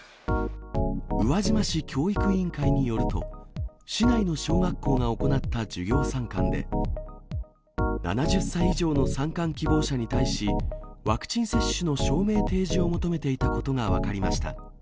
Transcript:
宇和島市教育委員会によると、市内の小学校が行った授業参観で、７０歳以上の参観希望者に対し、ワクチン接種の証明提示を求めていたことが分かりました。